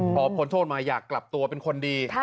พอพ้นโทษมาอยากกลับตัวเป็นคนดี